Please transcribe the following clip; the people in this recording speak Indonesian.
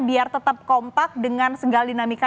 biar tetap kompak dengan segala dinamika